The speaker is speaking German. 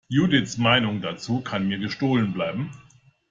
Judiths Meinung dazu kann mir gestohlen bleiben!